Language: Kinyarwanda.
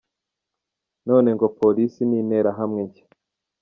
None ngo Polisi ni interahamwe nshya.